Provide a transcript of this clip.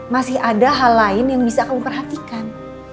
masih ada hal lain yang bisa kamu perhatikan